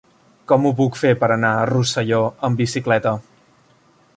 Com ho puc fer per anar a Rosselló amb bicicleta?